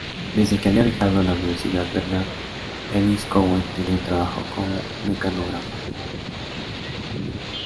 Desde que había dejado la universidad Bernard, Elise Cowen tenía un trabajo como mecanógrafa.